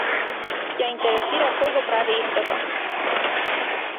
Ја интересира кој го прави истото